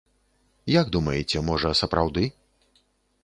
Як думаеце, можа, сапраўды?